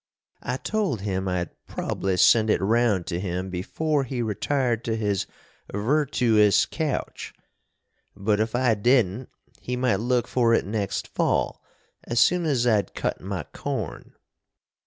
I told him I'd probly send it round to him before he retired to his virtoous couch, but if I didn't he might look for it next fall as soon as I'd cut my corn.